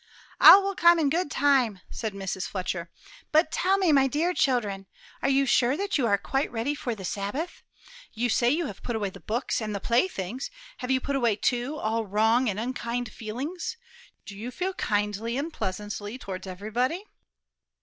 "All will come in good time," said Mrs. Fletcher. "But tell me, my dear children, are you sure that you are quite ready for the Sabbath? You say you have put away the books and the playthings; have you put away, too, all wrong and unkind feelings? Do you feel kindly and pleasantly towards everybody?"